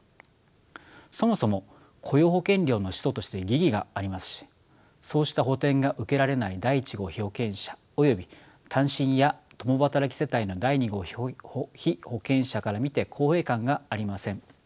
そもそも雇用保険料の使途として疑義がありますしそうした補填が受けられない第１号被保険者および単身や共働き世帯の第２号被保険者から見て公平感がありません。